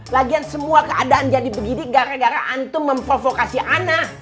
lagian semua keadaan jadi begini gara gara antu memprovokasi anak